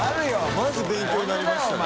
マジ勉強になりましたね。